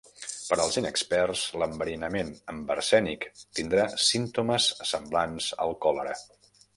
Per als inexperts, l'enverinament amb arsènic tindrà símptomes semblants al còlera.